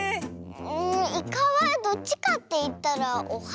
うんイカはどっちかっていったらおはしかな。